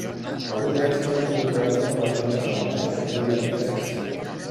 Alguns nens poden tenir problemes per guanyar el pes adequat i requerir una dieta especial.